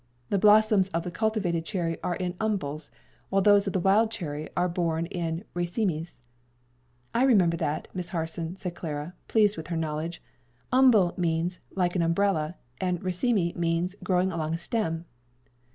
The blossoms of the cultivated cherry are in umbels, while those of the wild cherry are borne in racemes." "I remember that, Miss Harson," said Clara, pleased with her knowledge. "'Umbel' means 'like an umbrella,' and 'raceme' means 'growing along a stem.'"